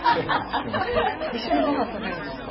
一緒にごはん食べるんですか？